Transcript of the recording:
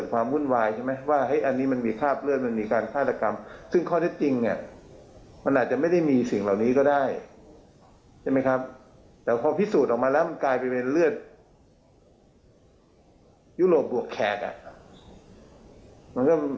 อยากรู้เหมือนกันหรือใครไปเจาะเลือดให้